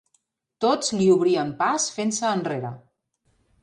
Tots li obrien pas fent-se enrere.